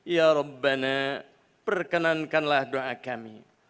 ya rabbana perkenankanlah doa kami